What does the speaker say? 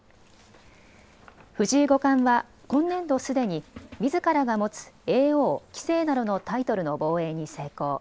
藤井五冠は今年度すでにみずからが持つ叡王、棋聖などのタイトルの防衛に成功。